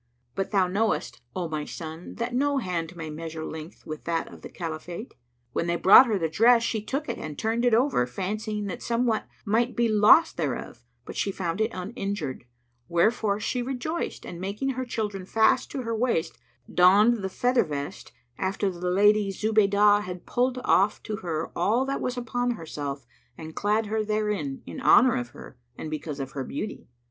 But thou knowest, O my son, that no hand may measure length with that of the Caliphate. When they brought her the dress, she took it and turned it over, fancying that somewhat might be lost thereof, but she found it uninjured; wherefore she rejoiced and making her children fast to her waist, donned the feather vest, after the Lady Zubaydah had pulled off to her all that was upon herself and clad her therein, in honour of her and because of her beauty.